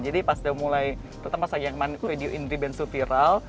jadi pas dia mulai terutama saat saya yang main video indri bensu viral